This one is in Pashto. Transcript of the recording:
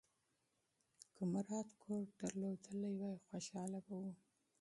که مراد کور درلودلی وای، خوشاله به و.